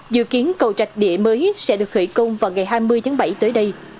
dự kiến cầu rạch đĩa mới sẽ được khởi công vào ngày hai mươi tháng bảy tới đây